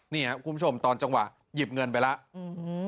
นี่ครับคุณผู้ชมตอนจังหวะหยิบเงินไปแล้วอืม